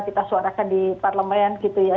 kita suarakan di parlemen gitu ya